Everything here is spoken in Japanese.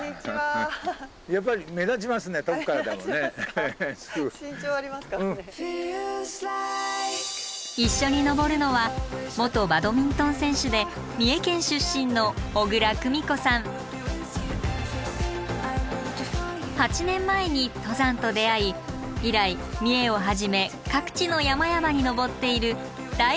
やっぱり一緒に登るのは元バドミントン選手で三重県出身の８年前に登山と出会い以来三重をはじめ各地の山々に登っている大の山好きです。